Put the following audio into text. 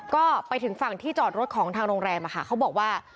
ก็ไปถึงฝั่งที่จอดรถของทางโรงแรมเขาบอกว่า